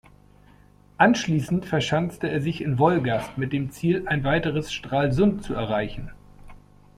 Anschließend verschanzte er sich in Wolgast, mit dem Ziel ein weiteres "Stralsund" zu erreichen.